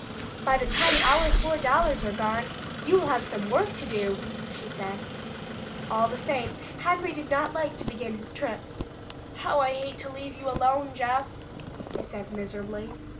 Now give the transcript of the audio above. "By the time our four dollars are gone, you will have some work to do," she said. All the same Henry did not like to begin his trip. "How I hate to leave you alone, Jess!" he said miserably.